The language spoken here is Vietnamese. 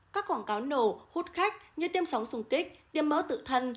các quảng cáo nổ hút khách như tiêm sóng sung kích tiêm mỡ tự thân